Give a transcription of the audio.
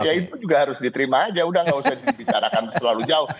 ya itu juga harus diterima aja udah gak usah dibicarakan terlalu jauh